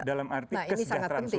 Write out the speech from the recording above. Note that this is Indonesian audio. dalam arti kesejahteraan sosial